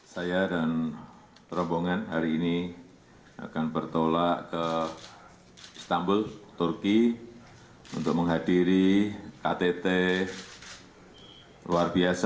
saya dan rombongan hari ini akan bertolak ke istanbul turki untuk menghadiri ktt luar biasa